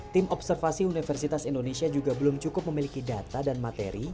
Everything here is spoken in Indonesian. tim observasi universitas indonesia juga belum cukup memiliki data dan materi